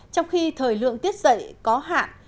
trong khi thời lượng tiết dạy có hạn